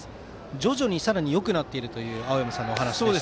徐々にさらによくなっているという青山さんのお話でした。